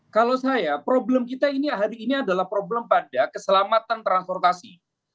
kalau saya problem kita ini hari ini adalah problem pada keselamatan transportasi